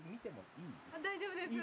大丈夫です。